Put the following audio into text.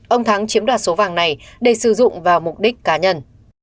ông thắng chiếm đoạt số vàng này để sử dụng vào mục đích cá nhân